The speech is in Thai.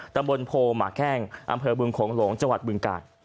ตำบลโพหมาแข้งอำเภอบึงโขงหลงจังหวัดบึงกาล